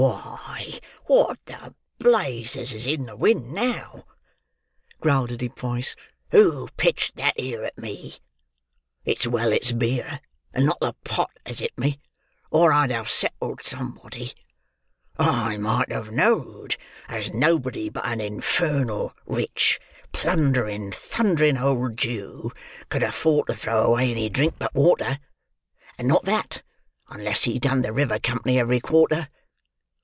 "Why, what the blazes is in the wind now!" growled a deep voice. "Who pitched that 'ere at me? It's well it's the beer, and not the pot, as hit me, or I'd have settled somebody. I might have know'd, as nobody but an infernal, rich, plundering, thundering old Jew could afford to throw away any drink but water—and not that, unless he done the River Company every quarter.